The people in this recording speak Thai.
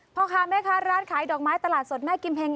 พ่อค้าแม่ค้าร้านขายดอกไม้ตลาดสดแม่กิมเฮง